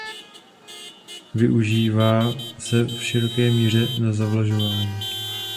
Využívá se v široké míře na zavlažování.